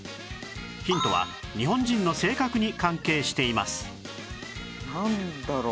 ヒントは日本人の性格に関係していますなんだろう？